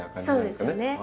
そうですよね。